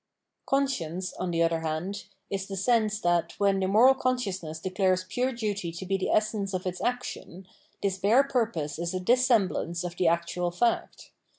Conscience, on the other hand, is the sense that, when the moral consciousness declares pure duty to be the essence of its action, this bare purpose is a dissemblance of the actual fact.